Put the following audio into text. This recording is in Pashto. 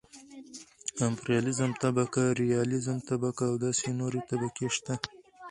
امپرياليزم طبقه ،رياليزم طبقه او داسې نورې طبقې شته .